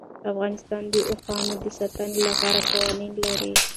افغانستان د اوښانو د ساتنې لپاره قوانین لري.